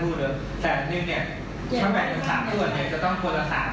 เจ็ดร้อยเอามาคืนก็ได้ไหมเอามาคืนก็ได้ไหม